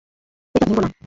এটা ভেঙ্গো না!